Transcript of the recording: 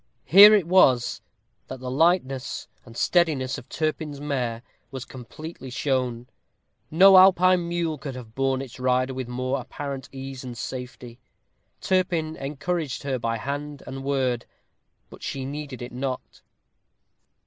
Here it was that the lightness and steadiness of Turpin's mare was completely shown. No Alpine mule could have borne its rider with more apparent ease and safety. Turpin encouraged her by hand and word; but she needed it not.